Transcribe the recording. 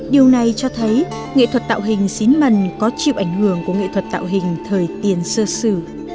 điều này cho thấy nghệ thuật tạo hình xín mần có chịu ảnh hưởng của nghệ thuật tạo hình thời tiền sơ sử